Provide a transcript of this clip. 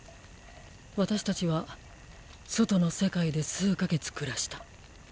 私たちは外の世界で数か月暮らした。